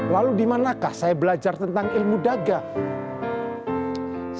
lalu dimanakah saya belajar tentang ilmu dagang